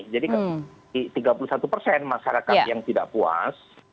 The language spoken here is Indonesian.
jadi tiga puluh satu persen masyarakat yang tidak puas